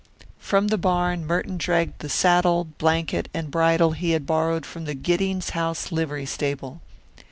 From the barn Merton dragged the saddle, blanket, and bridle he had borrowed from the Giddings House livery stable.